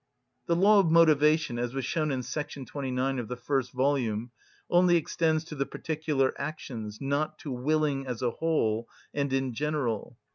The law of motivation, as was shown in § 29 of the first volume, only extends to the particular actions, not to willing as a whole and in general.